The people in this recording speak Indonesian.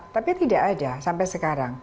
tapi tidak ada sampai sekarang